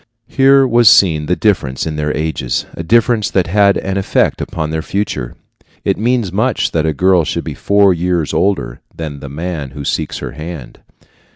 Here was seen the difference in their ages a difference that had an effect upon their future. It means much that a girl should be four years older than the man who seeks her hand.